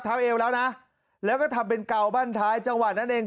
เอวแล้วนะแล้วก็ทำเป็นเกาบ้านท้ายจังหวะนั้นเอง